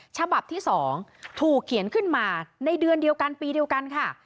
ฉบับที่๒ถูกเขียนขึ้นมาในเดือนเดียวกันปีเดียวกันค่ะ